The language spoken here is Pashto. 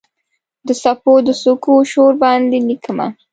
د څپو د څوکو شور باندې لیکمه